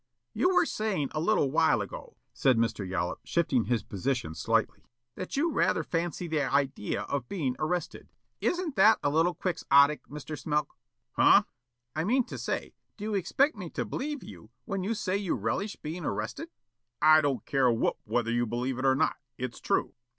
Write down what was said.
"You were saying a little while ago," said Mr. Yollop, shifting his position slightly, "that you rather fancy the idea of being arrested. Isn't that a little quixotic, Mr. Smilk?" "Huh?" "I mean to say, do you expect me to believe you when you say you relish being arrested?" "I don't care a whoop whether you believe it or not. It's true."